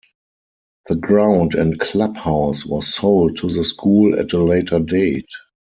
The ground and clubhouse was sold to the school at a later date.